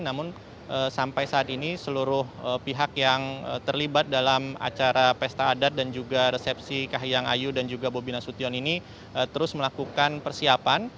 namun sampai saat ini seluruh pihak yang terlibat dalam acara pesta adat dan juga resepsi kahiyang ayu dan juga bobi nasution ini terus melakukan persiapan